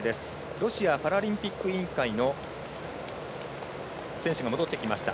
ロシアパラリンピック委員会の選手が戻ってきました。